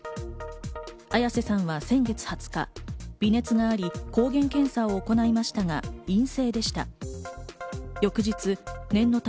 綾瀬さんは先月２０日、微熱があり抗原検査を行いましたが陰性でした。